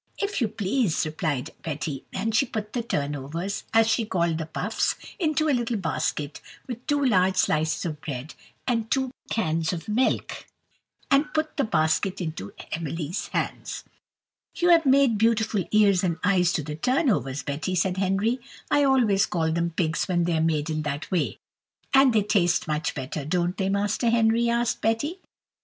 "If you please," replied Betty; and she put the turnovers, as she called the puffs, into a little basket, with two large slices of bread and two cans of milk, and put the basket into Emily's hands. "You have made beautiful ears and eyes to the turnovers, Betty," said Henry; "I always call them pigs when they are made in that way." "And they taste much better, don't they, Master Henry?" asked Betty.